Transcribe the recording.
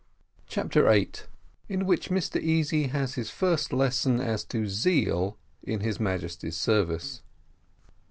CHAPTER EIGHT. IN WHICH MR. EASY HAS HIS FIRST LESSON AS TO ZEAL IN HIS MAJESTY'S SERVICE.